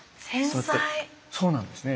そうなんですね。